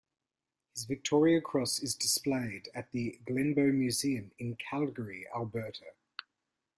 His Victoria Cross is displayed at the Glenbow Museum in Calgary, Alberta.